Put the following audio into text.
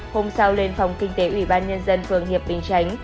hôm sau lên phòng kinh tế ủy ban nhân dân phường hiệp bình chánh